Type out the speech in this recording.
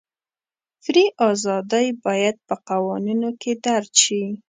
فري ازادۍ باید په قوانینو کې درج شي.